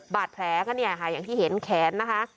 บาดแผลก็เนี่ยค่ะอย่างที่เห็นแขนนะคะ